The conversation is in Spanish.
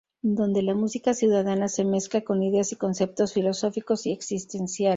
Donde la música ciudadana se mezcla con ideas y conceptos filosóficos y existenciales.